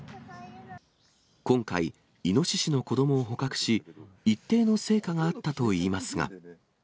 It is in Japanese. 今回、イノシシの子どもを捕獲し、一定の成果があったといいますが。